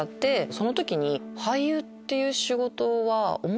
その時に。